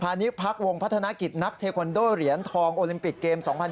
ณิชพักวงพัฒนากิจนักเทคอนโดเหรียญทองโอลิมปิกเกม๒๐๒๐